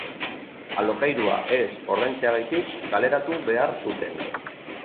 Alokairua ez ordaintzeagatik kaleratu behar zuten.